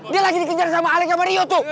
dia lagi dikejar sama alek sama rio tuh